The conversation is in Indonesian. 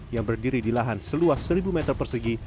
yang berdiri di lahan seluas seribu meter persegi